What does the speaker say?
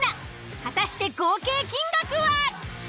果たして合計金額は？